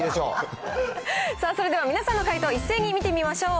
さあ、それでは皆さんの解答、一斉に見てみましょう。